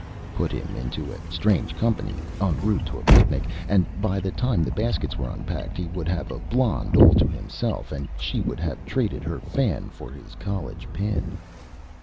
Put him into a Strange Company en route to a Picnic and by the time the Baskets were unpacked he would have a Blonde all to himself, and she would have traded her Fan for his College Pin.